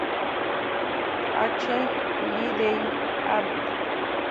H. Liddell Hart.